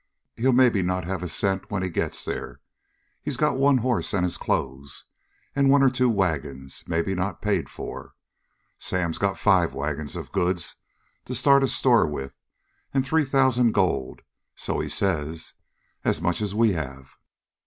He'll maybe not have a cent when he gets there. He's got one horse and his clothes, and one or two wagons, maybe not paid for. Sam's got five wagons of goods to start a store with, and three thousand gold so he says as much as we have.